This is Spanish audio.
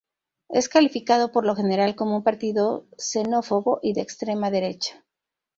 Es calificado por lo general como un partido xenófobo y de extrema derecha.